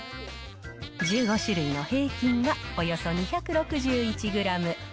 １５種類の平均はおよそ２６１グラム。